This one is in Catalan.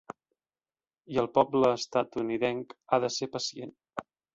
I el poble estatunidenc ha de ser pacient.